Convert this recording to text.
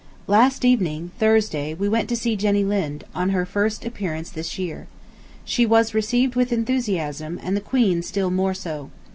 ... Last evening, Thursday, we went to see Jenny Lind, on her first appearance this year. She was received with enthusiasm, and the Queen still more so.